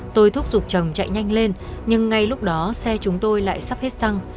tôi thúc giục chồng chạy nhanh lên nhưng ngay lúc đó xe chúng tôi lại sắp hết xăng